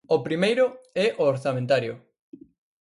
O primeiro é o orzamentario.